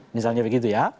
misalnya begitu ya